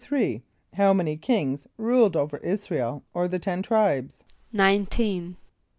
= How many kings ruled over [)I][s+]´ra el or the Ten Tribes? =Nineteen.